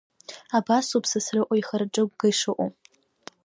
Абас ауп Сасрыҟәа ихырҿыгәга шыҟоу.